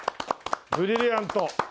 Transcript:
ブリリアント！